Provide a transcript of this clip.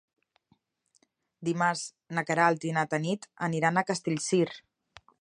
Dimarts na Queralt i na Tanit aniran a Castellcir.